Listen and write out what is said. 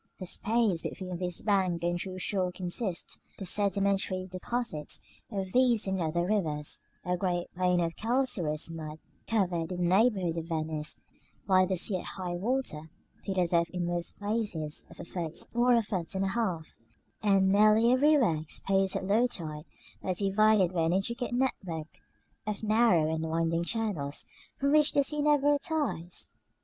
The space between this bank and the true shore consists of the sedimentary deposits from these and other rivers, a great plain of calcareous mud, covered, in the neighborhood of Venice, by the sea at high water, to the depth in most places of a foot or a foot and a half, and nearly everywhere exposed at low tide, but divided by an intricate network of narrow and winding channels, from which the sea never retires.